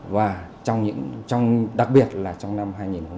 và đặc biệt là trong năm hai nghìn một mươi bảy